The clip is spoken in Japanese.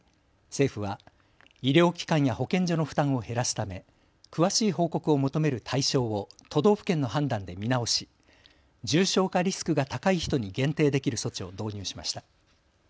政府は医療機関や保健所の負担を減らすため詳しい報告を求める対象を都道府県の判断で見直し、重症化リスクが高い人に限定できる措置を導入しました。